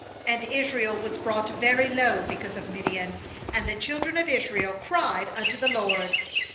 6And Israel was brought very low because of Midian; and the children of Israel cried unto the LORD.